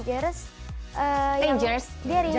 terus ketemu sama dia rangers